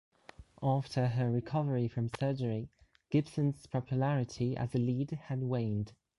After her recovery from surgery, Gibson's popularity as a lead had waned.